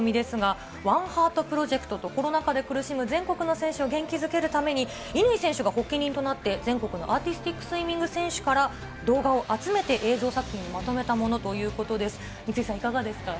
もう一つの取り組みですが、ワンハートプロジェクト、コロナ禍で苦しむ全国の選手を元気づけるために乾選手が発起人になって全国のアーティスティックスイミングクラブの選手から動画を集めてまとめたもの、三井さん、いかがですか？